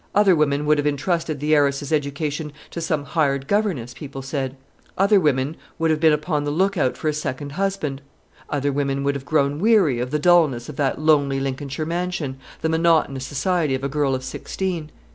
Other women would have intrusted the heiress's education to some hired governess, people said; other women would have been upon the look out for a second husband; other women would have grown weary of the dulness of that lonely Lincolnshire mansion, the monotonous society of a girl of sixteen.